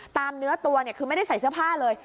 ตามเนื้อตัวคือไม่ได้ใส่เสื้อผ้าเลย